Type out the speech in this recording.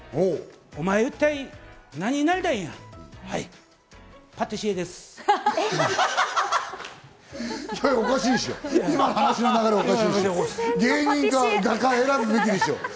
お前一体何になりたいんや？と。